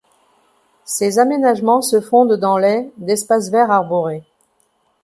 Ces aménagements se fondent dans les d’espaces verts arborés.